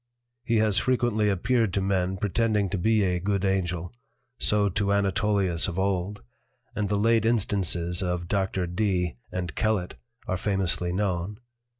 He has frequently appeared to Men pretending to be a good Angel, so to Anatolius of old; and the late instances of Dr. Dee and Kellet are famously known.